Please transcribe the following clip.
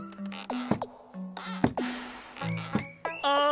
あ！